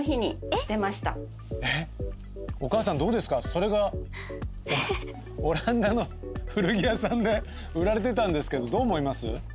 それがオランダの古着屋さんで売られてたんですけどどう思います？